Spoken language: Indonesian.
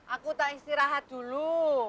aku tak istirahat dulu